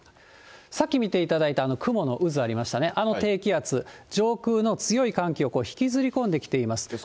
さっき見ていただいた雲の渦ありましたね、あの低気圧、上空の強い寒気を引きずり込んできています。